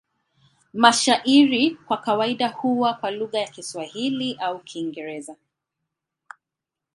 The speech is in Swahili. Mashairi kwa kawaida huwa kwa lugha ya Kiswahili au Kiingereza.